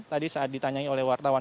tadi saat ditanyai oleh wartawan